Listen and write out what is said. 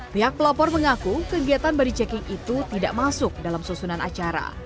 pihak pelapor mengaku kegiatan body checking itu tidak masuk dalam susunan acara